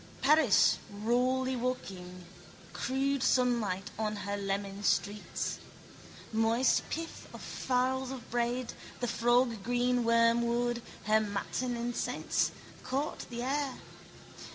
Paris rawly waking, crude sunlight on her lemon streets. Moist pith of farls of bread, the froggreen wormwood, her matin incense, court the air.